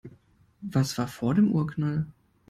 Was war vor dem Urknall?